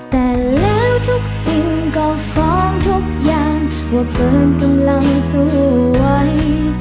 แต่แล้วทุกสิ่งก็ฟ้องทุกอย่างว่าเฟิร์นกำลังสู้ไว้